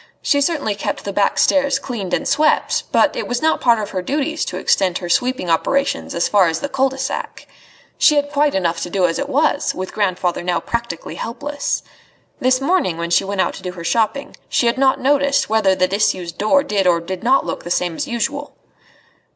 She certainly kept the back stairs cleaned and swept, but it was not part of her duties to extend her sweeping operations as far as the cul de sac. She had quite enough to do as it was, with grandfather now practically helpless. This morning, when she went out to do her shopping, she had not noticed whether the disused door did or did not look the same as usual.